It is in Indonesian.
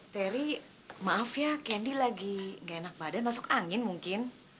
teri maaf ya kendi lagi gak enak badan masuk angin mungkin